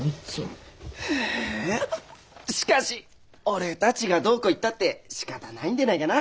ああしかし俺たちがどうこう言ったってしかたないんでないかな